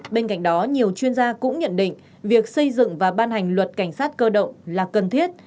bên cạnh đó nhiều chuyên gia cũng nhận định việc xây dựng và ban hành luật cảnh sát cơ động là cần thiết